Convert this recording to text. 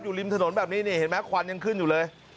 ริมถนนแบบนี้นี่เห็นไหมควันยังขึ้นอยู่เลย